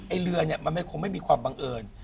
เรือเนี่ยมันคงไม่มีความบังเอิญ